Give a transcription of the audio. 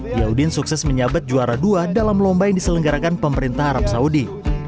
diyaudin sukses menyabet juara dua dalam lomba yang diselenggarakan pemerintah arab saudi